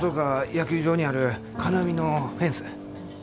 野球場にある金網のフェンス。